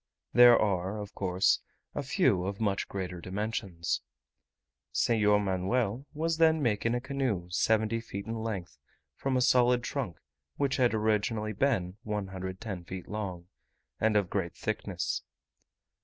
There are, of course, a few of much greater dimensions. Senhor Manuel was then making a canoe 70 feet in length from a solid trunk, which had originally been 110 feet long, and of great thickness.